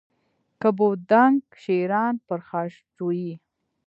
که بودند شیران پرخاشجوی